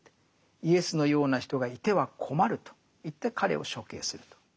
イエスのような人がいては困るといって彼を処刑すると。